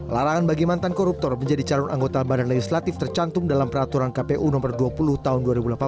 larangan bagi mantan koruptor menjadi calon anggota barang legislatif tercantum dalam peraturan kpu nomor dua puluh tahun dua ribu delapan belas